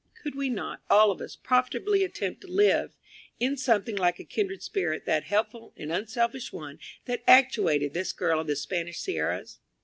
Could we not, all of us, profitably attempt to live in something like a kindred spirit to that helpful and unselfish one that actuated this girl of the Spanish sierras?